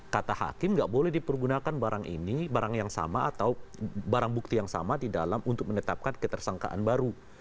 kata hakim nggak boleh dipergunakan barang ini barang yang sama atau barang bukti yang sama di dalam untuk menetapkan ketersangkaan baru